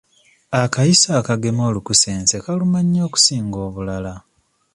Akayiso akagema olukusense kaluma nnyo okusinga obulala.